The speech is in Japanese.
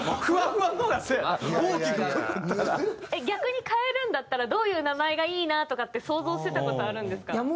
逆に変えるんだったらどういう名前がいいなとかって想像してた事あるんですか？